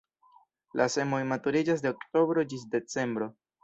La semoj maturiĝas de oktobro ĝis decembro.